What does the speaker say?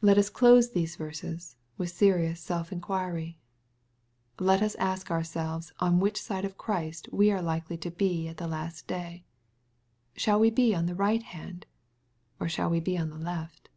Let us close these verses with serious self inquiry. Let us ask ourselves on which side of Christ we are likely to be at the last day. Shall we be on the right hand, or shall we be on the left